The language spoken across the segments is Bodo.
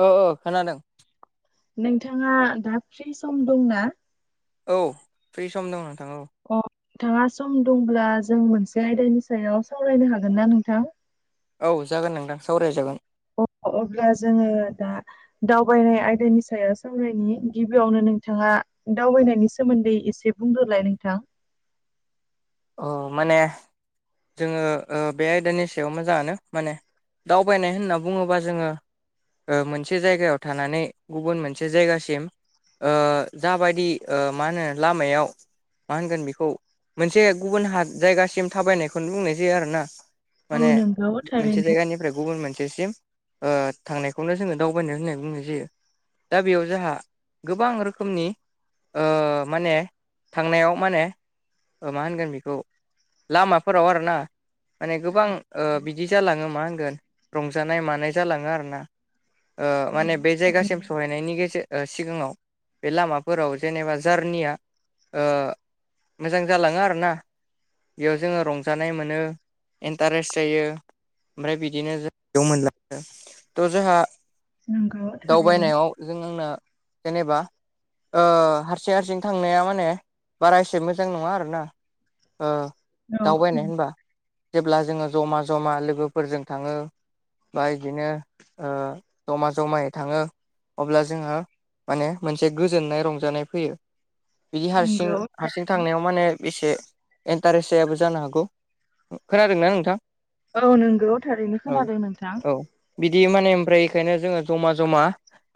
औ ओ खोनादों नोंथाङा दा फ्रि सम दंना। औ फ्रि सम दं नोंथां औ अ नोंथाङा सम दंब्ला जों मोनसे आयदानि सायाव सावरायनो हागोन ना नोंथां। औ जागोन नोंथां सावराय जागोन। अ अब्ला जोंङो दा दावबायनाय आयदानि सायाव सावरायनायनि गिबियावनो नोंथाङा दावबायनायनि सोमोन्दै एसे बुंदोलाय नोंथां औ माने जोंङो ओ बे आयदानि सायाव मोजाङानो माने दावबायनाय होनना बुङोब्ला जोंङो ओ मोनसे जायगायाव थानानै गुबुन मोनसे जायगासिम ओ जाबायदि मा होनो लामायाव मा होनगोन बेखौ मोनसे गुबुन हा जायगासिम थाबायनायखौनो बुंनाय जायो आरोना। माने औ नंगौ मोनसे थारैनो जायगानिफ्राय गुबुन मोनसेसिम ओ थांनायखौनो जोंङो दावबायनो होननाय बुंनाय जायो। दा बेयाव जोंहा गोबां रोखोमनि ओ माने थांनायाव माने मा होनगोन बे लामाफोराव आरोना माने औ गोबां ओ औ बिदि जालाङो मा होनगोन रंजानाय मानाय जालाङो आरो ना। ओ माने बे जायगासिम थारैनो सहैनायनि गेजे ओ सिगाङाव बे लामाफोराव जेनेबा जारनिया ओ मोजां जालाङो आरो ना। बेयाव जोंङो रंजानाय मोनो इन्टारेस्ट जायो। ओमफ्राय बिदिनो जों बेयाव मोनला आरो थ' जोंहा नंगौ थारैनो दावबायनायाव जों आंनो जेनेबा ओ हारसिं हारसिं थांनाया माने बारा एसे मोजां नङा आरो ना। ओ औ दावबायनाय होनबा जेब्ला जोंङो जमा-जमा लोगोफोरजों थाङो। बा बिदिनो ओ जमा जमायै थाङो। अब्ला जोंहा माने मोनसे गोजोननाय रंजानाय फैयो। बिदि नंगौ हारसिं-हारसिं थारैनो थांनायाव माने बेसे इन्टारेस्ट जायाबो जानो हागौ खोनादोंना नोंथां औ नोंगौ थारैनो औ खोनादों नोंथां औ बिदि माने ओमफ्राय इखोनो जोंङो जमा-जमा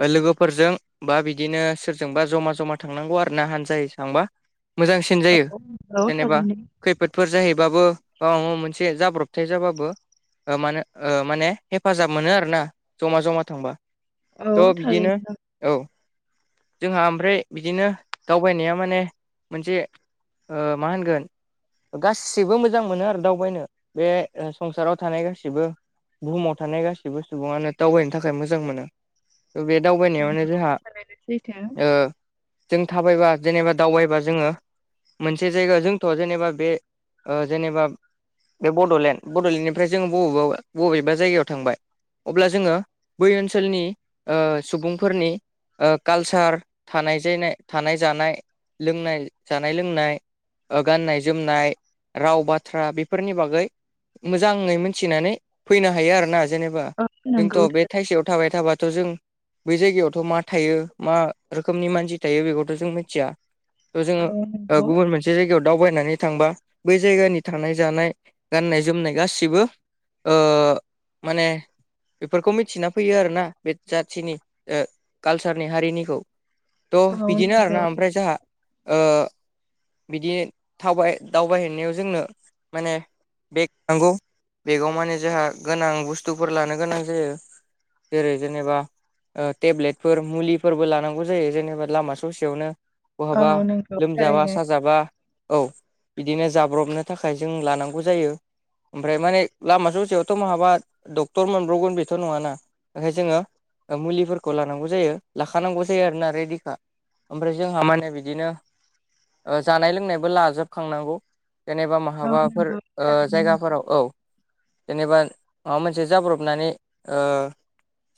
लोगोफोरजों बा बिदिनो सोरजोंबा जमा जमा थांनांगौ आरो ना हान्जायै थांबा मोजांसिन जायो। औ नंगौ जेनेबा थारैनो खैफोदफोर जाहैबाबो बा माबा मोनसे जाब्रबथाय जाबाबो ओ मानो माने हेफाजाब मोनो आरोना जमा-जमा थांबा। औ थ' बिदिनो थारैनो औ जोंहा ओमफ्राय बिदिनो दावबायनाया माने मोनसे ओ मा होनगोन? गासिबो मोजां मोनो आरो दावबायनो बे संसाराव थानाय गासिबो बुहुमाव थानाय गासिबो सुबुङानो दावबायनो थाखाय मोजां मोनो। बे दावबायनायावनो नंगौ जोहा थारैनो सैथो ओ जों थाबायबा जेनेबा दावबायबा जोङो से जायगा जोंथ' जेनेबा बे ओ जेनेबा बे बड'लेण्ड -बड'लेण्डनिफ्राय जोङो बबेबा -बबेबा जायगायाव थांबाय। अब्ला जोङो बै ओनसोलनि ओ सुबुंफोरनि ओ कालसार थानाय जेनाय-थानाय जानाय लोंनाय जानाय लोंनाय गाननाय जोमनाय राव बाथ्रा बेफोरनि बागै मोजाङै मिथिनानै फैनो हायो आरोना। जेनेबा औ जोंथ' नंगौ बे थाइसेयाव थाबाय थाबाथ' जों बै जायगायावथ' मा थायो मा रोखोमनि मानसि थायो बेखौथ' जों मिथिया। औ जोङो ओ नंगौ गुबुन मानसि जे जायगायाव दावबायनानै थांबा बै जायगानि थानाय जानाय गाननाय जोमनाय गासिबो ओ माने बेफोरखौ मिथिना फैयो आरोना बे जाथिनि ओ कालसारनि हारिनिखौ। थ' औ बिदिनो नंगौ आरोना ओमफ्राय जोंहा ओ बिदि थावबाय दावबायहैनायाव जोंनो माने बेग नांगौ बेगाव माने जोंहा गोनां बुस्थुफोर लानो गोनां जायो। जेरै जेनेबा टेब्लेटफोर मुलिफोरबो लानांगौ जायो जेनेबा लामा ससेयावनो औ बहाबा नंगौ लोमजाबा थारैनो साज जाबा औ बिदिनो जाब्रबनो थाखाय जों लानांगौ जायो। ओमफ्राय माने लामा ससेयावथ' महाबा डक्टर मोनब्रवगोन बेथ' नङाना। जोङो मुलिफोरखौ लानांगौ जायो लाखानांगौ जायो आरोना रेदिखा। ओमफ्राय जोंहा माने बिदिनो ओ जानाय लोंनायबो लाजोबखांनांगौ जेनेबा औ महाबाफोर नंगौ ओ थारैनो जायगाफोराव औ। जेनेबा माबा मोनसे जाब्रबनानै ओ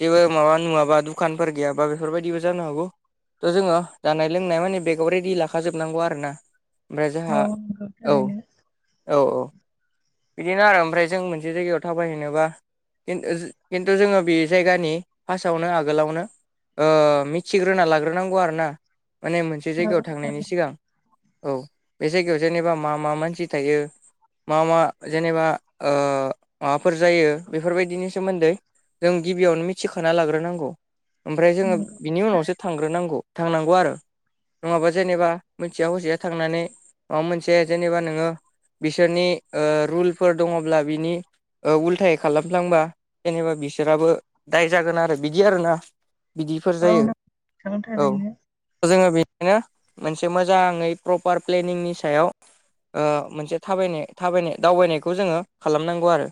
जेबो माबा नुवाबा दुखानफोर गैयाबा बेफोरबायदिबो जानो हागौ। थ' जोङो जानाय लोंनाय माने बेगाव रेडि लाखा जोब हाबनांगौ आरोना ओमफ्राय जोंहा नंगौ औ- थारैनो औ -औ। बिदिनो आरो ओमफ्राय जों मोनसे जायगायाव थाबायहैनोबा न्खिन्थु जोङो बे जायगानि फासआवनो आगोलावनो ओ मिथिग्रोना लाग्रोनांगौ आरोना माने मोनसे जायगायाव औ थांनायनि थारैनो सिगां। औ बे जायगायाव जेनेबा मा -मा मानसि थायो मा- मा जेनेबा ओ माबाफोर जायो बेफोरबायदिनि सोमोन्दै जों गिबियावनो मिथिखाना लाग्रोनांगौ, ओमफ्राय जोङो नंगौ बिनि उनावसो थारैनो थांग्रोनांगौ थांनांगौ आरो। नङाबा जेनेबा मोनथिया हसिया थांनानै माबा मोनसे जेनेबा नोङो बिसोरनि ओ रुलफोर दङब्ला बिनि ओ उल्थाय खालामफ्लांबा जेनेबा बिसोराबो दाय जागोन आरो बिदि आरोना। बिदिफोर औ जायो नंगौ नोंथां औ। थारैनो जोङो बिदिनो मोनसे मोजाङै प्रपार प्लेनिंनि सायाव ओ मोनसे थाबायनाय थाबायनाय दावबायनायखौ जोङो खालामनांगौ आरो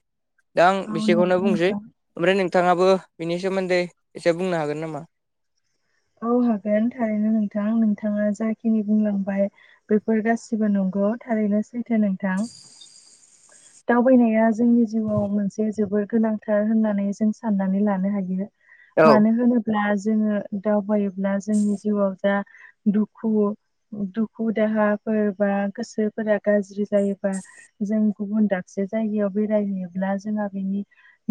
दा आं औ बिसेखौनो नंगौ बुंसै। नोंथां ओमफ्राय नोंथाङाबो बिनि सोमोन्दै एसे बुंनो हागोन नामा? औ हागोन थारैनो नोंथां नोंथाङा जाखिनि बुंलांबाय बेफोर गासिबो नंगौ थारैनो सैथो नोंथां। दावबायनाया जोंनि जिउआव मोनसे जोबोर गोनांथार होननानै जों साननानै लानो हायो औ मानो होनोब्ला जोङो दावबायोब्ला जोंनि जिउआव दा दुखु दुखु- दाहाफोर बा गोसोफोरा गाज्रि जायोबा जों गुबुन दाबसे जायगायाव बेरायहैयोब्ला जोंहा बेनि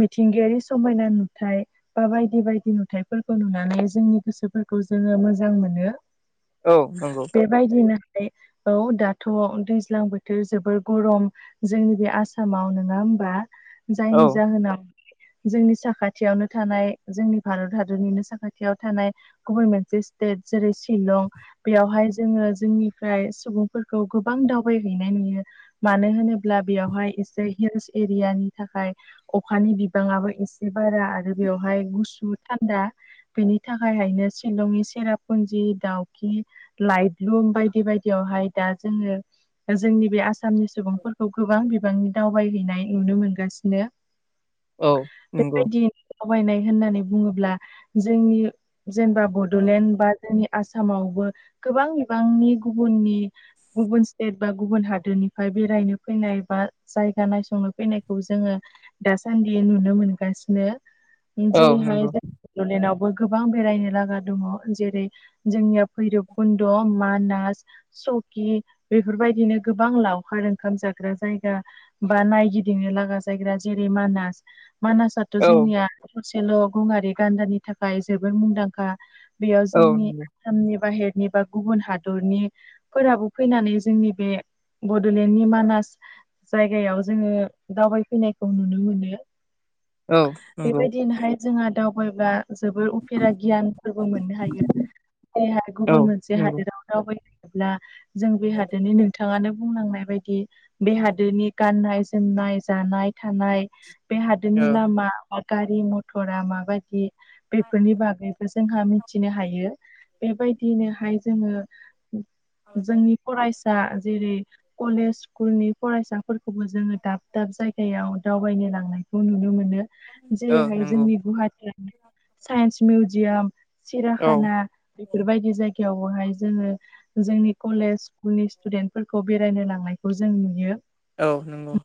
मिथिंगायारि समायना नुथाय बा बायदि बायदि नुथाइफोरखौ नुनानै जोंनि गोसोफोरखौ जोङो मोजां मोनो औ नंगौ बेबायदिनोहाय औ दाथ' दैज्लां बोथोर जोबोर गरम जोंनि बे आसामाव नङा होमबा औ जायनि जाहोनाव जोंनि साखाथियावनो थानाय जोंनि भारत हादरनिनो साखाथियाव थानाय गुबै मोनसे स्टेट जेरै शिलं बेयावहाय जोङो जोंनिफ्राय सुबुंफोरखौ गोबां दावबायहैनाय नुयो मानो होनोब्ला ब्ला बेयावहाय एसे हिल्स एरियानि थाखाय अखानि बिबाङाबो एसे बारा आरो बेवहाय गुसु थान्दा बेनि थाखायहायनो सिलंनि सेरापुन्जि दाउखि लाइट लुम बायदि बायदियावहाय दा जोङो जोंनि बे आसामनि सुबुंफोर- खौ गोबां बिबांनि दावबायहैनाय नुनो मोनगासिनो औ नंगौ बेबायदि आवायनाय होननानै बुङोब्ला जोंनि जेनेबा बड'लेण्ड बा जोंनि आसामावबो गोबां बिबांनि गुबुननि गुबुन स्टेट बा गुबुन हादोरनिफ्राय बेरायनो फैनाय बा जायगा नायसंनो फैनायखौ जोङो दासान्दि नुनो मोनगासिनो औ जेरैहाय नंगौ बडलेनावबो गोबां बेरायनो लागा दङ जेरै जोंनिया भैरबखुन्द' मानास सकि बेफोरबायदिनो गोबां लावखार - खाम जाग्रा जायगा बा नायगिदिंनो लागा जायगा जेरै मानास मानासा औ जोंनिया थसेल' गंआरि गान्दानि थाखाय जोबोद मुंदांखा बेयाव औ जोंनि नंगौ आसामनि बाहेरनि बा गुबुन हादरनि फोराबो फैनानै जोंनि बे बड'लेण्ड जोंनि मानास जायगायाव जोङो दावबायफैनायखौ नुनो मोनो औ नंगौ बेबायदिनोहाय जोंहा दावबायबा- जोबोर उफेरा गियानफोरबो मोननो हायो जेरहाय औ गुबुन मोनसे नंगौ हादोराव दावबाय होयोब्ला जों बे हादोरनि नोंथाङानो बुंलांनाय बाय- बे हादोरनि गाननाय जोमनाय जानाय थानाय बे औ हादोरनि लामा बा गारि मथरा माबायदि बेफोरनि बागै- जोंहा मिथिनो हायो बेबायदिनोहाय जोङो जोंनि फरायसा जेरै कलेज स्कुलनि फरायसा फोरखौबो जोङो दाब दाब जायगायाव दावबायनो लांनायखौ नुनो मोनो औ जेरैहाय नंगौ जोंनि गुवाहाटियाव साइन्स मिउजियाम औ सिराखाना बेफोरबायदि जायगायावहाय जोङो जोंनि कलेज स्कुलनि स्टुदेन्टफोरखौ बे- बेरायनो लांनायखौ जों नुयो। औ नंगौ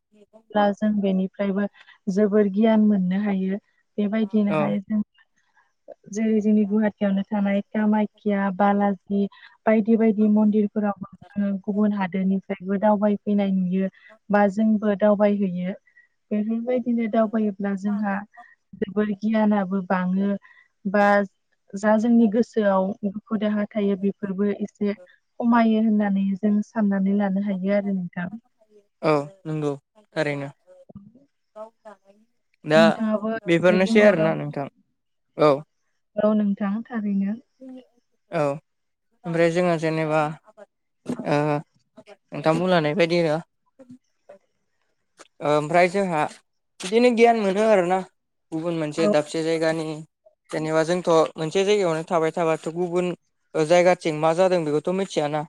ब्ला जों बेनिफ्रायबो जोबोर गियान मोननो हायो औ बेबायदिनोहाय जों जेरै जोंनि गुवाहाटियावनो थानाय कामायख्या बालाजि बायदि बायदि मन्दिरफोरावबो जोङो गुबुन हादोरनिफ्रायबो दावबायफैनायनि बियो बा जोंबो दावबायहैयो बेफोरबायदिनो दावबायोब्ला जोंहा जोबोर गियानाबो बाङो बा जा जोंनि गोसोआव दुखु दाहा थायो बेफोरबो एसे खमायो होननानै जों साननानै लानो हायो आरो नोंथां। औ नंगौ थारैनो। [unintelligible] दा नोंथाङाबो एसे बेफोरनोसै बुंबावदों आरोना नोंथां औ। औ नोंथां थारैनो औ ओमफ्राय जोङो जेनेबा आबाद ओ नोंथां बुंलांनाय बायदि नो ओमफ्राय जोंहा इदिनो गियान मोनो आरोना। गुबुन मोनसे औ दाबसे जायगानि जेनेबा जोंथ' मोनसे जायगायावनो थाबाय थाबाथ' गुबुन जायगाथिं मा जादों बेखौथ' मिथियाना।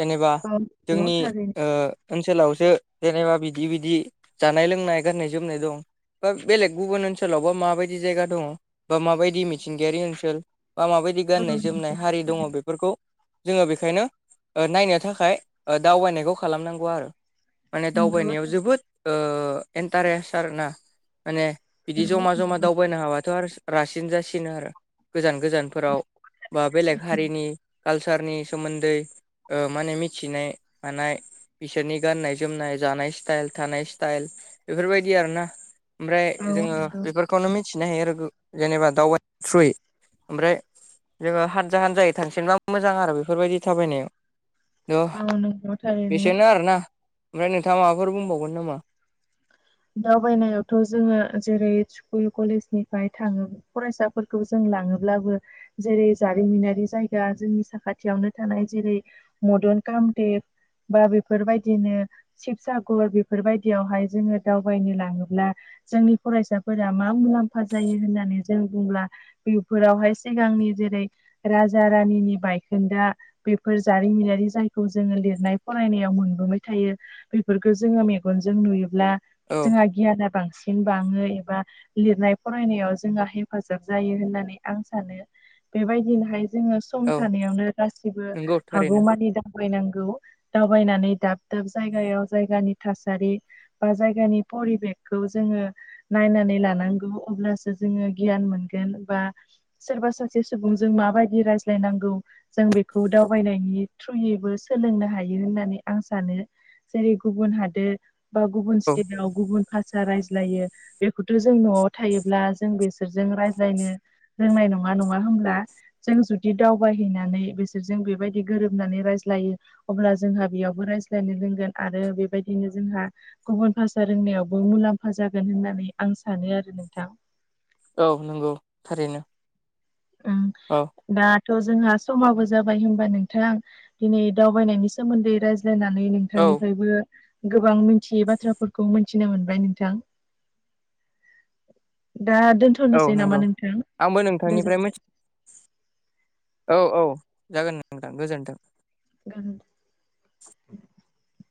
जेनेबा औ नंगौ जोंनि थारैनो ओ ओनसोलावसो जेनेबा बिदि बिदि जानाय लोंनाय गाननाय जोमनाय दं। बा बेलेग गुबुन ओनसोलावबा माबायदि जायगा दङ बा माबायदि मिथिंगायारि ओनसोल। बा माबायदि औ गाननाय नंगौ जोमनाय हारि दङ थारैनो बेफोरखौ जोङो बेखायनो ओ नायनो थाखाय ओ दावबायनायखौ खालामनांगौ आरो। माने नंगौ दावबायनायाव जोबोद इन्टारेस्ट आर ना माने औ बिदि नंगौ जमा जमा नोंथाङा दावबायनो हाबाथ' आरो रासिन जासिनो आरो गोजान गोजान फोराव बा बेलेग सैथो हारिनि कालचारनि सोमोन्दै ओ माने मिथिनाय मानाय बिसोरनि गाननाय जोमनाय जानाय स्टाइल थानाय स्टाइल बेफोरबायदि आरो ना। ओमफ्राय औ जोङो नंगौ बेफोरखौनो मिथिनो हायो आरो जेनेबा दावबा थ्रुयै ओमफ्राय जोङो हानजा हानजायै थांसिनबा मोजां आरो बेफोरबायदि थाबायनायाव। [unintelligible] औ नंगौ थारैनो बेसेनो आरोना ओमफ्राय नोंथाङा माबाफोर बुंबावगोन नामा? दावबायनायावथ' जोङो जेरै स्कुल कलेज निफ्राय थाङो। फरायसाफोरखौ जों लाङोब्लाबो जेरै जारिमिनारि जायगा जोंनि साखाथियावनो थानाय जेरै मदन कामदेप बा बेफोरबायदिनो शिबसागर बेफोरबायदियावहाय जोङो दावबायनो लाङोब्ला जोंनि फरायसाफोरा मा मुलाम्फा जायो होननानै जों बुंब्ला बेफोरावहाय सिगांनि जेरै राजा रानिनि बायखोन्दा बेफोर जारिमिनारि जायखौ जोङो लिरनाय फरायनायाव मोनबोबाय थायो। बेफोरखौ जोङो मेगनजों नुयोब्ला औ जोंहा गियाना बांसिन बाङो एबा लिरनाय फरायनायाव जोंहा हेफाजाब जायो होननानै आं सानो। बेबायदिनोहाय जोङो सम औ थानायावनो गासिबो नंगौ थारैनो हागौमानि दा दावबायनांगौ दावबाय नानै दाब दाब जायगायाव जायगानि थासारि बा जाय गानि परिबेकखौ जोङो नायनानै लानांगौ अब्लासो जोङो गियान मोनगोन बा सोरबा सासे सुबुंजों माबायदि रायज्लायनांगौ जों बेखौ दावबायनायनि थ्रुयैबो सोलोंनो हायो होननानै आं सानो। जेरै गुबुन हादोर बा गुबुन औ स्टेटाव गुबुन भासा रायज्लायो बेखौथ' जों न'आव थायोब्ला जों बेसोरजों रायज्लायनो रोंनाय नङा नङा होमब्ला? जों जुदि दावबायहैनानै बिसोरजों बेबायदि गोरोबनानै रायज्लायो। अब्ला जोंहा बेयावबो रायज्लायनो रोंगोन आरो बेबायदिनो जोंहा गुबुन भाषा रोंनायावबो मुलाम्फा जागोन होननानै आं सानो आरो नोंथां। औ नंगौ थारैनो। उम औ दा थ' जोंहा समाबो जाबाय होनबा नोंथां दिनै दावबायनायनि सोमोन्दै रायज्लायनानै नों औ थांनिफ्रायबो गोबां मिथियै बाथ्राफोरखौ मिथिनो मोनबाय नोंथां। दा औ दोनथ'नोसै नंगौ नामा नोंथां आंबो गोजोन [unintelligible] औ औ जागोन नोंथां गोजोनथों। [unintelligible]